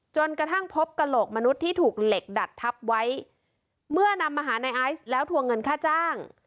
จนกระทั่งพบกระโหลกมนุษย์ที่ถูกเหล็กดัดทับไว้เมื่อนำมาหาในไอซ์แล้วทวงเงินค่าจ้าง